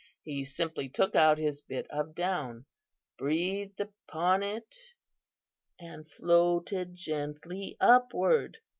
He simply took out his bit of down, breathed upon it and floated gently upward.